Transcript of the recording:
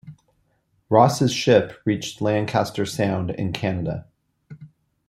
Ross's ship reached Lancaster Sound in Canada.